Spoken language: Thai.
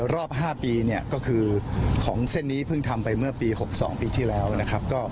รอบ๕ปีเนี่ยก็คือของเส้นนี้เพิ่งทำไปเมื่อปี๖๒ปีที่แล้วนะครับ